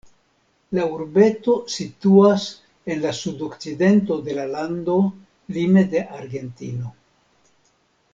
La urbeto situas en la sudokcidento de la lando, lime de Argentino.